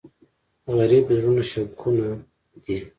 غریب د زړونو شګونه دی